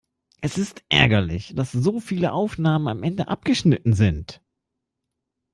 Es ist ärgerlich, dass so viele Aufnahmen am Ende abgeschnitten sind.